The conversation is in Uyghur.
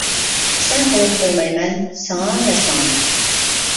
پىسەنت قىلىپ قويمايمەن، ساڭا ۋە ساڭا!